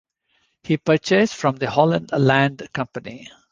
He purchased from the Holland Land Company.